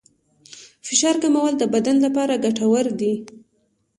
فشار کمول د بدن لپاره ګټور دي.